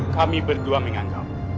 kami berdua menganggap